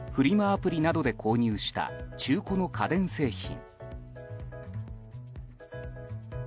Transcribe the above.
アプリなどで購入した中古の家電製品。